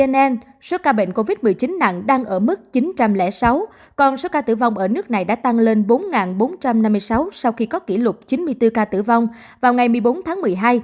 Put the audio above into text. nên số ca bệnh covid một mươi chín nặng đang ở mức chín trăm linh sáu còn số ca tử vong ở nước này đã tăng lên bốn bốn trăm năm mươi sáu sau khi có kỷ lục chín mươi bốn ca tử vong vào ngày một mươi bốn tháng một mươi hai